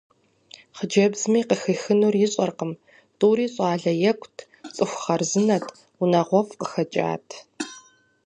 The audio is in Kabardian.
Хъыджэбзми къыхихынур ищӏэркъым: тӏури щӏалэ екӏут, цӏыху хъарзынэт, унагъуэфӏ къыхэкӏат.